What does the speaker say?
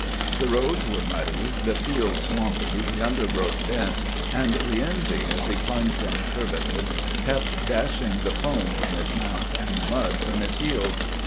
The roads were muddy, the fields swampy, the undergrowth dense, and " Rienzi," as he plunged and curveted, kept dashing the foam from his mouth and the mud from his heels.